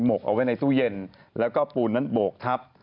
กเอาไว้ในตู้เย็นแล้วก็ปูนนั้นโบกทับ